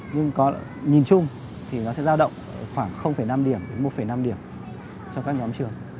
nhưng nhìn chung thì nó sẽ giao động khoảng năm điểm đến một năm điểm